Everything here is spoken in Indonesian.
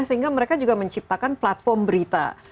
sehingga mereka juga menciptakan platform berita